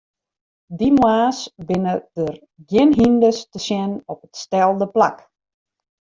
Dy moarns binne der gjin hynders te sjen op it stelde plak.